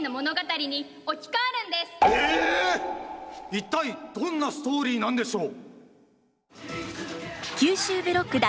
一体どんなストーリーなんでしょう！？